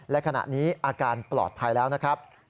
และขณะนี้อาการปลอดภัยแล้วนะครับ